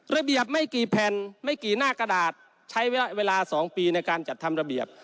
ระเบียบไม่กี่แผ่นไม่กี่หน้ากระดาษใช้เวลา๒ปีในการจัดทำระเบียบ